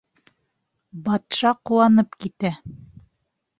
Батша ҡыуанып китә: